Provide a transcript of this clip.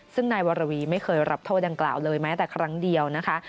ซึ่งนายวรวีไม่เคยรับโทษดังกล่าวเลยแม้แต่ครั้งเดียวนะคะ